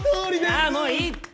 ああもういいって！